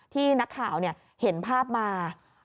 ที่นักข่าวเห็นภาพมา